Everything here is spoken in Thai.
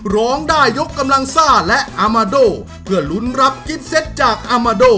ร้องได้ยกกำลังซ่าและอามาโดเพื่อลุ้นรับกิฟเซตจากอามาโด